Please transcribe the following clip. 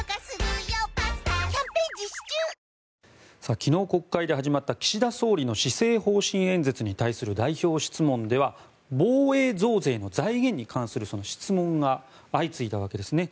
昨日国会で始まった岸田総理の施政方針演説に対する代表質問では防衛増税の財源に対する質問が相次いだわけです。